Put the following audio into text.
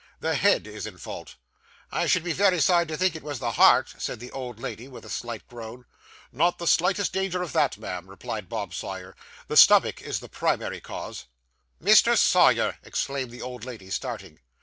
The head is in fault.' 'I should be very sorry to think it was the heart,' said the old lady, with a slight groan. 'Not the slightest danger of that, ma'am,' replied Bob Sawyer. 'The stomach is the primary cause.' 'Mr. Sawyer!' exclaimed the old lady, starting.